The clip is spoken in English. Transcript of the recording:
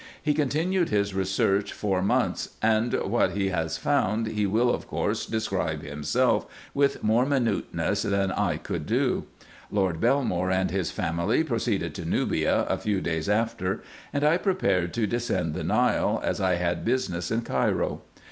He continued his research four months ; and what he has found he will of course describe himself with more minuteness than I could do. Lord Belmore and his family pro ceeded to Nubia a few days after ; and I prepared to descend the Nile, as I had business in Cairo.